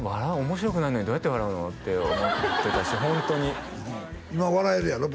面白くないのにどうやって笑うの」って思ってたしホントに今笑えるやろ？